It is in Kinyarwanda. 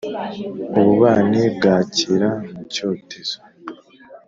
ububani bwakira mu cyotezo,